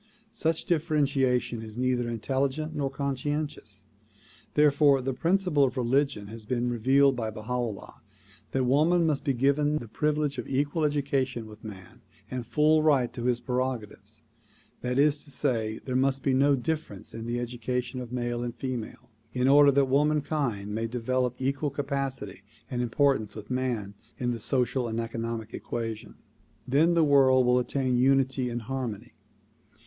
Such differentiation is neither intelligent nor conscientious ; therefore the principle of religion has been revealed by Baha 'Ullah that woman must be given the privilege of equal education with man and full right to his prerogatives. That is to say, there must be no difference in the education of male and female, in order that womankind may develop equal capacity and importance with man in the social and economic equation. Then the world will attain unity and harmony.